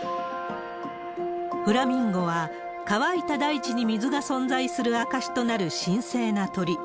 フラミンゴは乾いた大地に水が存在する証しとなる神聖な鳥。